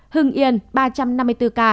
hưng yên ba trăm năm mươi bốn ca